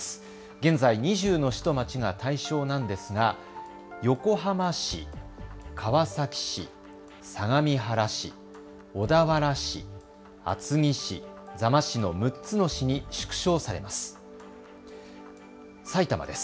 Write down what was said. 現在、２０の市と町が対象なんですが横浜市、川崎市、相模原市、小田原市、厚木市、座間市の６つの市に縮小されます。